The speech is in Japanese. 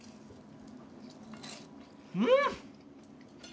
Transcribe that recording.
うん！